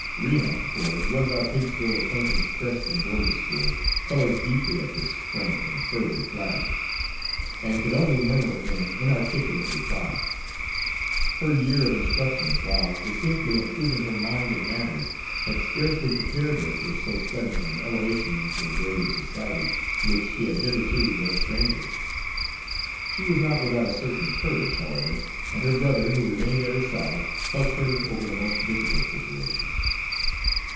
Rena, for it was our Patesville acquaintance fresh from boarding school, colored deeply at this frank and fervid flattery, and could only murmur an inarticulate reply. Her year of instruction, while distinctly improving her mind and manners, had scarcely prepared her for so sudden an elevation into a grade of society to which she had hitherto been a stranger. She was not without a certain courage, however, and her brother, who remained at her side, helped her over the most difficult situations.